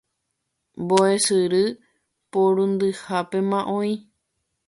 mbo'esyry porundyhápema oĩ.